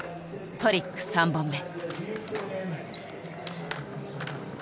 トリック３本目。